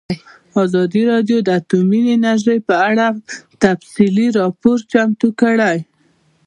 ازادي راډیو د اټومي انرژي په اړه تفصیلي راپور چمتو کړی.